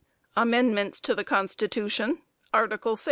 Amendments to Constitution, article 6.